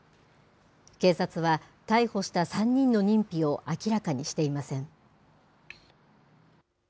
警察は、逮捕した３人の認否を明らかにしていません。